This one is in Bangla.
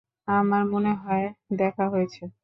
আমার মনে হয় দেখা হয়েছে।